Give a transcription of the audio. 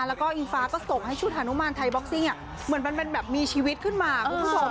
แล้วก็อิงฟ้าก็ส่งให้ชุดฮานุมานไทยบ็อกซิ่งเหมือนมันเป็นแบบมีชีวิตขึ้นมาคุณผู้ชม